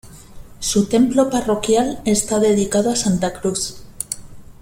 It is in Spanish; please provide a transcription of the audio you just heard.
Su templo parroquial está dedicado a Santa Cruz.